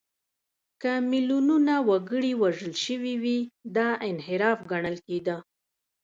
که میلیونونه وګړي وژل شوي وي، دا انحراف ګڼل کېده.